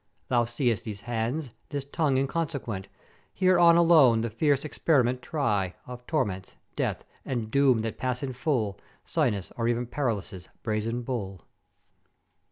Thou seest these hands, this tongue inconsequent: hereon alone the fierce exper'iment try of torments, death, and doom that pass in full Sinis or e'en Perillus' brazen bull.'